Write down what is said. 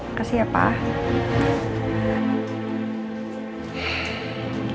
makasih ya pak